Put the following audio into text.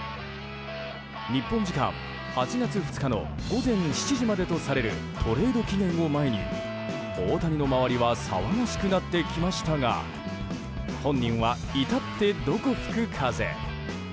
日本時間８月２日の午前７時までとされるトレード期限を前に大谷の周りは騒がしくなってきましたが本人は至ってどこ吹く風。